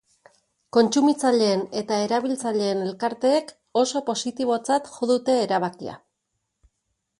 Kontsumitzaileen eta erabiltzaileen elkarteek oso positibotzat jo dute erabakia.